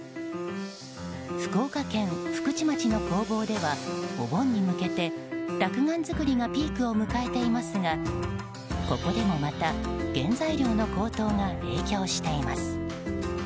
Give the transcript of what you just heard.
福岡県福智町の工房ではお盆に向けて、らくがん作りがピークを迎えていますがここでもまた原材料の高騰が影響しています。